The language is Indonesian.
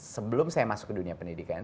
sebelum saya masuk ke dunia pendidikan